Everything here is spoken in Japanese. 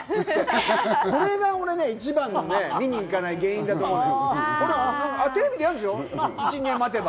これが俺、一番見に行かない原因だと思うの。